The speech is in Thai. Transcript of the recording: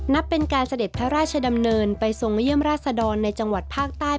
นับเป็นการเสด็จพระราชดำเนินไปทรงเยี่ยมราชดรในจังหวัดภาคใต้